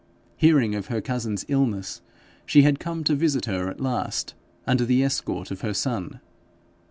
Hearing of her cousin's illness, she had come to visit her at last, under the escort of her son.